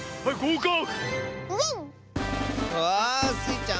うわあ！スイちゃん